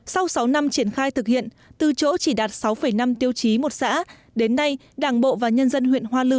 sau sáu năm triển khai thực hiện từ chỗ chỉ đạt sáu năm tiêu chí một xã đến nay đảng bộ và nhân dân huyện hoa lư